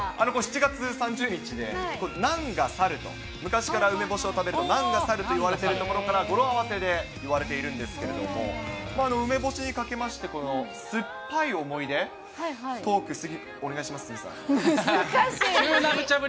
７月３０日で、難が去ると、昔から梅干しを食べると難が去るといわれているところから、語呂合わせでいわれているんですけれども、梅干しにかけまして、酸っぱい思い出、トーク、お願いします、鷲見さん。